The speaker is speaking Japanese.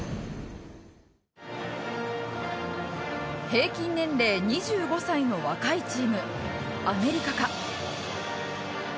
平均年齢２５歳の若いチーム、アメリカか。